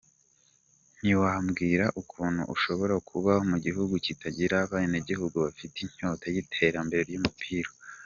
Ntiwambwira ukuntu ushobora kuba mu gihugu kitagira abanegihugu bafite inyota y’iterambere ry’umupira.